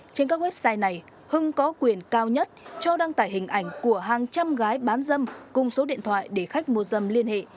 trên các website này hưng có quyền cao nhất cho đăng tải hình ảnh của hàng trăm gái bán dâm cùng số điện thoại để khách mua dâm liên hệ